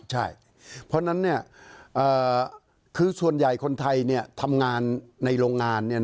ใช่เพราะฉะนั้นคือส่วนใหญ่คนไทยทำงานในโรงงาน